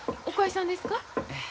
おかいさんですか？